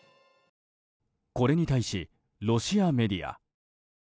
これに対し、ロシアメディア。